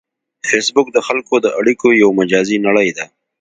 فېسبوک د خلکو د اړیکو یو مجازی نړۍ ده